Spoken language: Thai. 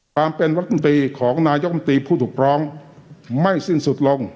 ความเป็นรัฐมนตรีของนายกรรมตรีผู้ถูกร้องไม่สิ้นสุดลง